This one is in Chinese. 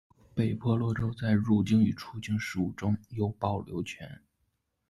北婆罗洲在入境与出境事务中有保留权。